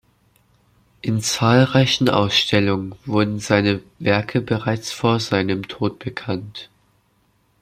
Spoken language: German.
In zahlreichen Ausstellungen wurden seine Werke bereits vor seinem Tod bekannt.